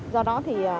do đó thì